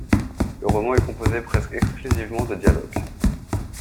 Le roman est composé presque exclusivement de dialogues.